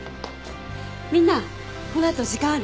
みんなこの後時間ある？